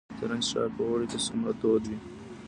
زرنج ښار په اوړي کې څومره تود وي؟